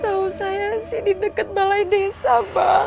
tau saya sih di deket balai desa bang